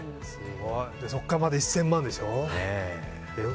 そこからまた１０００万円でしょ。